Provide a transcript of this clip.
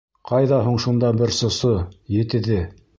Ҡайҙа һуң шунда бер сосо, етеҙе?